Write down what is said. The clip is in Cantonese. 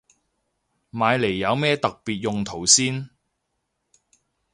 買嚟有咩特別用途先